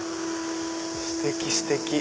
ステキステキ。